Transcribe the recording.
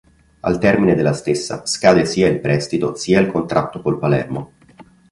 Al termine della stessa scade sia il prestito sia il contratto col Palermo.